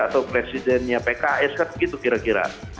atau presidennya pks kan begitu kira kira